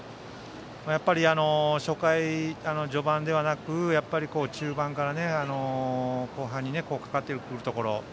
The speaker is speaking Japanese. やっぱり初回や序盤ではなく中盤から後半にかかってくるところ。